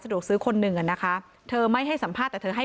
ดูซื้อคนหนึ่งอ่ะนะคะเธอไม่ให้สัมภาษณ์แต่เธอให้